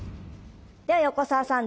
では横澤さん